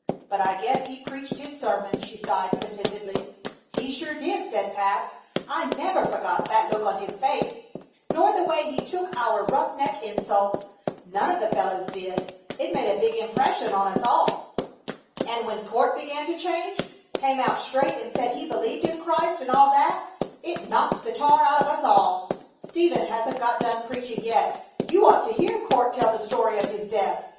But I guess he preached his sermon!" She sighed contentedly. "He sure did!" said Pat. "I never forgot that look on his face, nor the way he took our roughneck insults. None of the fellows did. It made a big impression on us all. And when Court began to change, came out straight and said he believed in Christ, and all that, it knocked the tar out of us all. Stephen hasn't got done preaching yet. You ought to hear Court tell the story of his death.